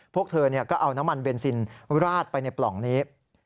พวกเธอก็เอาน้ำมันเบนซินราดไปในปล่องนี้